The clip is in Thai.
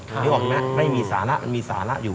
นึกออกเห็นไหมไม่มีสาระมันมีสาระอยู่